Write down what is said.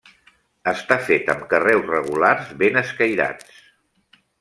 Està fet amb carreus regulars ben escairats.